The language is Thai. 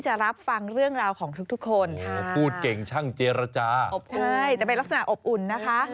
ใช่แต่เป็นลักษณะอบอุ่นนะคะ